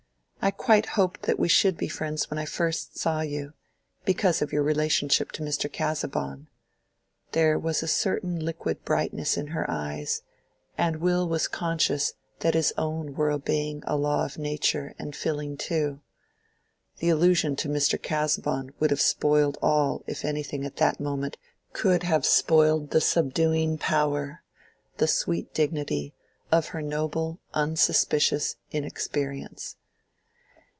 I quite hoped that we should be friends when I first saw you—because of your relationship to Mr. Casaubon." There was a certain liquid brightness in her eyes, and Will was conscious that his own were obeying a law of nature and filling too. The allusion to Mr. Casaubon would have spoiled all if anything at that moment could have spoiled the subduing power, the sweet dignity, of her noble unsuspicious inexperience.